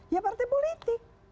ya partai politik